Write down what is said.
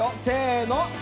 せの。